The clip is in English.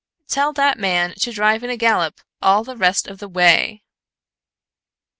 "Tell that man to drive in a gallop all the rest of the way!"